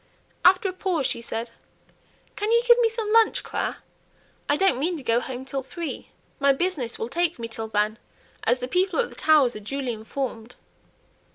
After a pause she said, "Can you give me some lunch, Clare? I don't mean to go home till three. My 'business' will take me till then, as the people at the Towers are duly informed."